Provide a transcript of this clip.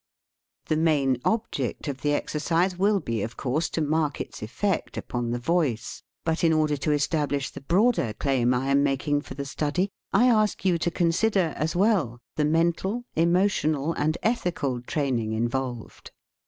The main object of the exer cise will be, of course, to mark its effect upon the voice. But in order to establish the broader claim I am making for the study, I ask you to consider, as well, the mental, emotional, and ethical training involved.